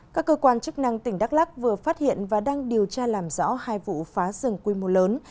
các cơ quan chức năng tỉnh đắk lắc vừa phát hiện và đang điều tra làm rõ hai vụ phá rừng quy mô lớn